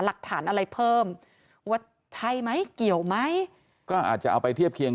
หลักฐานอะไรเพิ่มว่าใช่ไหมเกี่ยวไหมก็อาจจะเอาไปเทียบเคียง